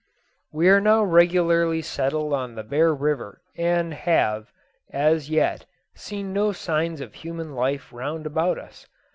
We are now regularly settled on the Bear River, and have, as yet, seen no signs of human life round about us.